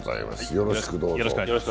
よろしくどうぞ。